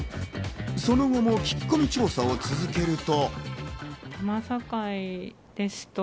その後も聞き込み調査を続けると。